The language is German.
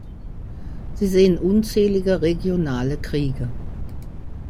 Sie sehen unzählige regionale Kriege.